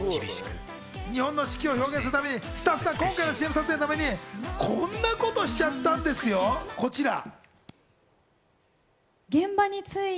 日本の四季を表現するためにスタッフさんは今回のＣＭ撮影のためにこんなことをしちゃったんですよ、こちら。